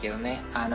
あの